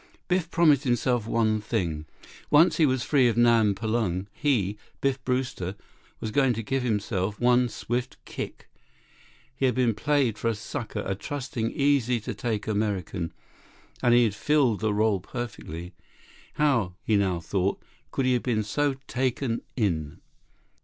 Biff promised himself one thing. Once he was free of Nam Palung he, Biff Brewster, was going to give himself, Biff Brewster, one swift kick. He had been played for a sucker, a trusting, easy to take American, and he had filled the role perfectly. How, he now thought, could he have been so taken in?